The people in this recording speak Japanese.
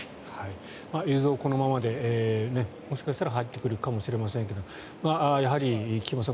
映像このままでもしかしたら入ってくるかもしれませんがやはり菊間さん